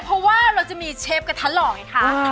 เพราะว่าเราจะมีเชฟกระทะหล่อไงคะ